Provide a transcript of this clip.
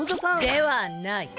ではない。